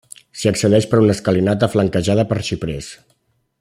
S'hi accedeix per una escalinata flanquejada per xiprers.